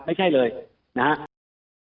ไม่ใช่เลยนะครับ